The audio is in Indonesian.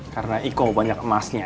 karena iko banyak emasnya